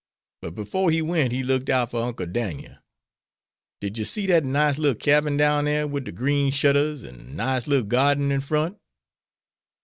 But 'fore he went he looked out fer Uncle Dan'el. Did you see dat nice little cabin down dere wid de green shutters an' nice little garden in front?